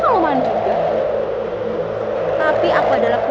kau tidak akan bisa melawan aku